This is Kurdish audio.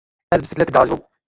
Ez bisikletê diajom.